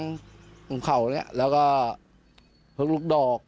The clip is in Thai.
ของเข่านี้แล้วก็เพิ่งลูกดอก